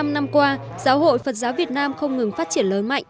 bảy mươi năm năm qua giáo hội phật giáo việt nam không ngừng phát triển lớn mạnh